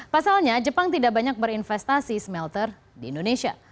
pasalnya jepang tidak banyak berinvestasi smelter di indonesia